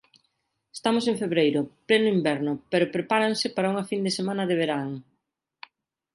Estamos en febreiro, pleno inverno, pero prepáranse para unha fin de semana de verán.